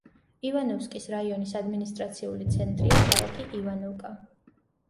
ივანოვკის რაიონის ადმინისტრაციული ცენტრია ქალაქი ივანოვკა.